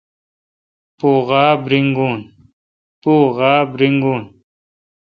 پو غاب ریگون۔